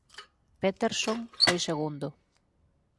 Peterson foi segundo.